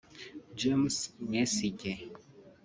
James Mwesigye